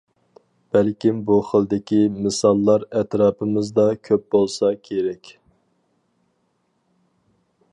بەلكىم بۇ خىلدىكى مىساللار ئەتراپىمىزدا كۆپ بولسا كېرەك.